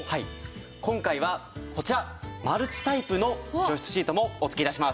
今回はこちらマルチタイプの除湿シートもお付け致します。